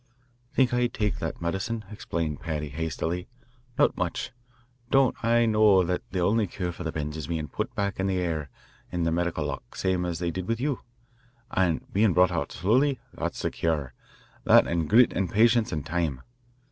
"Think I'd take that medicine," explained Paddy, hastily. "Not much. Don't I know that the only cure for the bends is bein' put back in the 'air' in the medical lock, same as they did with you, and bein' brought out slowly? That's the cure, that, an' grit, an' patience, an' time.